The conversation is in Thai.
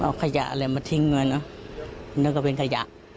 เอาขยะอะไรมาทิ้งกันนะนั่นก็เป็นขยะ